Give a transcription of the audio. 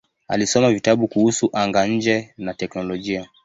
Alisoma vitabu kuhusu anga-nje na teknolojia.